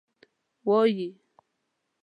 وایي.